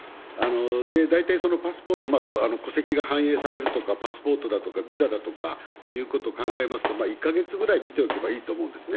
大体戸籍が反映されるとか、パスポートだとかビザだとかということを考えますと、１か月ぐらい、見ておけばいいと思うんですね。